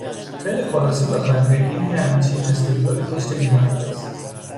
خیلی خلاصه بخوایم بگیم یه همچین استدلالی پشت این حرف هست